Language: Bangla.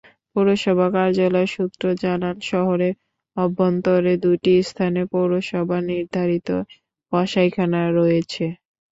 পৌরসভা কার্যালয় সূত্র জানায়, শহরের অভ্যন্তরে দুটি স্থানে পৌরসভার নির্ধারিত কসাইখানা রয়েছে।